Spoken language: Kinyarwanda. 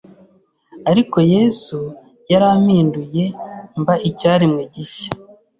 ariko Yesu yarampinduye mba icyaremwe gishya